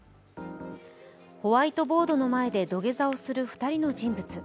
ホワイトボードの前で土下座をする２人の人物。